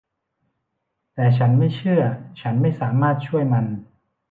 แต่ฉันไม่เชื่อ ฉันไม่สามารถช่วยมัน